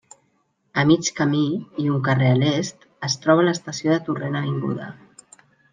A mig camí, i un carrer a l'est, es troba l'estació de Torrent Avinguda.